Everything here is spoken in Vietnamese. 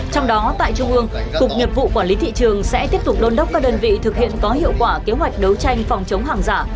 trong đó tại trung ương cục nhiệp vụ quản lý thị trường sẽ tiếp tục đôn đốc các đơn vị thực hiện có hiệu quả kế hoạch đấu tranh phòng chống hàng giả